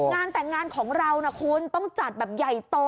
งานแต่งงานของเรานะคุณต้องจัดแบบใหญ่โต